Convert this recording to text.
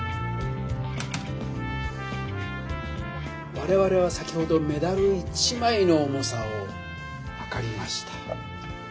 われわれは先ほどメダル１枚の重さをはかりました。